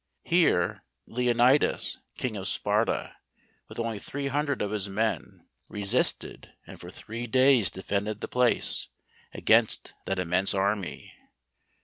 Here Leonidas, King of Sparta, with only three hundred of his men, re¬ sisted, and for three days defended the place, against that immense army.